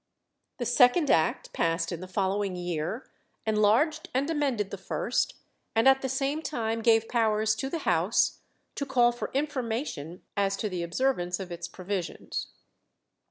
The second act, passed in the following year, enlarged and amended the first, and at the same time gave powers to the House to call for information as to the observance of its provisions.